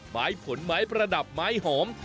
ไม้ผลไม้ประดับไม้หอม